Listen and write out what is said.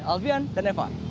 alvian dan eva